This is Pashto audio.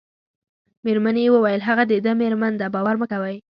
مېرمنې یې وویل: هغه د ده مېرمن ده، باور مه کوئ.